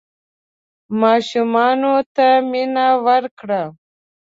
ماشومانو ته مینه ورکړه.